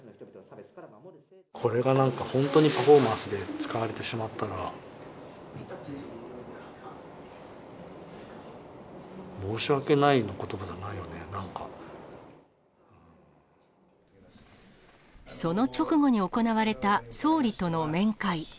これがなんか本当にパフォーマンスで使われてしまったら、その直後に行われた総理との面会。